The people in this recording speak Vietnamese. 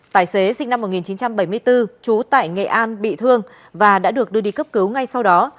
tài xế sinh năm một nghìn chín trăm bảy mươi bốn trú tại nghệ an bị thương và đã được đưa đi cấp cứu ngay sau đó